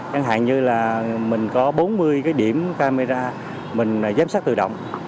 chẳng hạn như là mình có bốn mươi cái điểm camera mình giám sát tự động